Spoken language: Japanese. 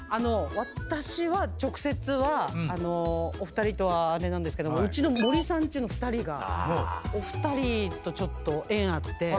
私は直接はお二人とはあれなんですけどもうちの森三中の２人がお二人とちょっと縁あって。